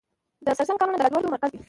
د سرسنګ کانونه د لاجوردو مرکز دی